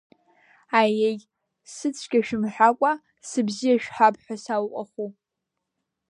Аиеи, сыцәгьа шәымҳәакәа, сыбзиа шәҳәап ҳәа сауҟаху…